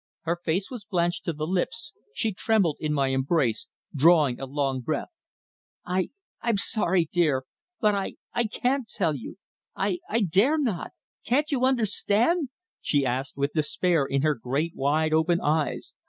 Her face was blanched to the lips, she trembled in my embrace, drawing a long breath. "I I'm sorry, dear but I I can't tell you. I I dare not. Can't you understand?" she asked with despair in her great, wide open eyes.